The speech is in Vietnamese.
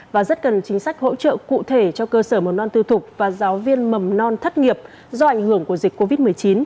và rất cần chính sách hỗ trợ cụ thể cho cơ sở mầm non tư thục và giáo viên mầm non thất nghiệp do ảnh hưởng của dịch covid một mươi chín